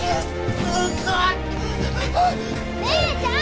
姉ちゃん！